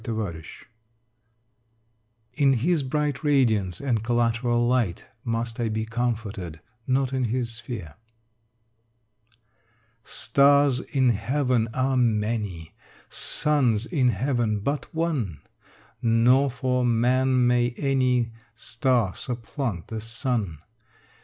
XXVI "In his bright radiance and collateral light Must I be comforted, not in his sphere." Stars in heaven are many, Suns in heaven but one: Nor for man may any Star supplant the sun.